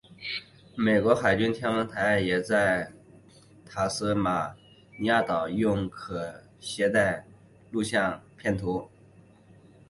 美国海军天文台也在塔斯马尼亚岛用可携式录影设备记录了偏食阶段的图像。